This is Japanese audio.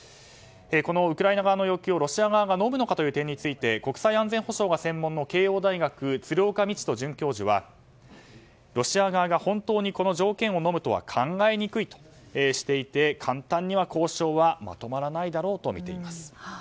このウクライナ側の要求をロシア側がのむのかという点について国際安全保障が専門の慶應大学鶴岡路人准教授はロシア側が、本当にこの条件をのむとは考えにくいとしていて簡単には交渉はまとまらないとみています。